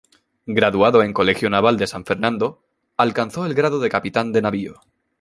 Graduado en Colegio Naval de San Fernando alcanzó el grado de capitán de navío.